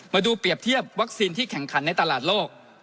มาดูเปรียบเทียบวัคซีนที่แข่งขันในตลาดโลก